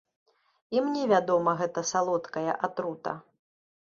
І мне вядома гэта салодкая атрута!